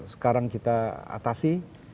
sekarang kita atasi